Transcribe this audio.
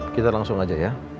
kita langsung aja ya